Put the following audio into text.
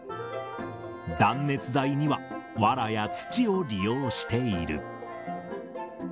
断熱材にはわらや土を利用している。